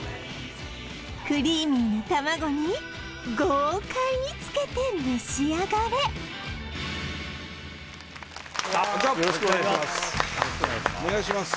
クリーミーな卵に豪快につけて召し上がれよろしくお願いします